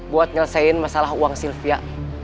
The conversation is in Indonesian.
buat nyelesain masalah uang sylvia